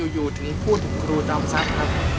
อยู่ถึงพูดถึงครูจอมทรัพย์ครับ